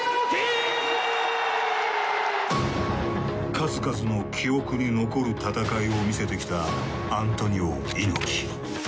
数々の記憶に残る戦いを見せてきたアントニオ猪木。